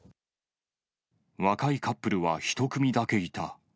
若いカップルは１組だけいた。